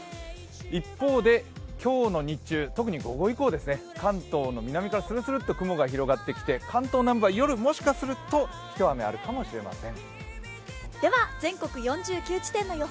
一方で今日の日中、特に午後以降ですね関東の南からスルスルと雲が広がってきて、関東南部は夜、もしかするとひと雨あるかもしれません。